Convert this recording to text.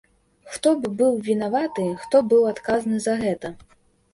Хто б быў вінаваты, хто б быў адказны за гэта?